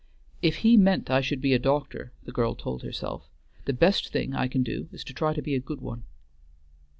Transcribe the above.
"If He meant I should be a doctor," the girl told herself, "the best thing I can do is to try to be a good one."